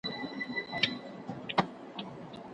هغه محصل له تېرې میاشتې راهیسې هېڅ نه دي لیکلي.